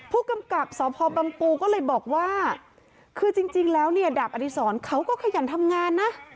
ผู้กำกับสพบังปูก็เลยบอกว่าคือจริงแล้วเนี่ยดาบอดีศรเขาก็ขยันทำงานนะ